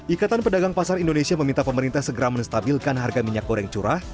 ikatan pedagang pasar indonesia meminta pemerintah segera menstabilkan harga minyak goreng curah